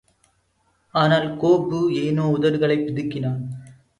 ஆனால், கோபு ஏனோ உதடுகளைப் பிதுக்கினான்.